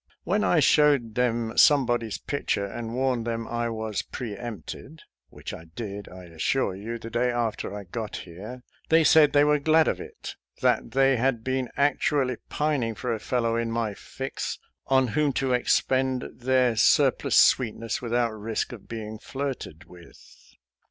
When I showed them some body's picture and warned them I was pre empted, — ^which I did, I assure you, the day after I got here, — they said they were glad of it — that they had been actually pining for a fellow in my fix on whom to expend their sur plus sweetness without risk of being flirted with.